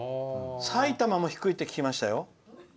埼玉も低いって聞きましたよ。